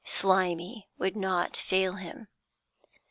Slimy would not fail him.